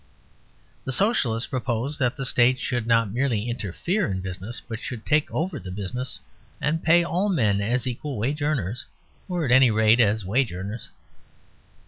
The Socialists proposed that the State should not merely interfere in business but should take over the business, and pay all men as equal wage earners, or at any rate as wage earners.